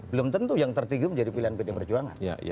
belum tentu yang tertinggi menjadi pilihan pdi perjuangan